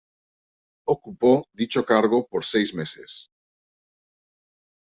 Ocupó dicho cargo por seis meses.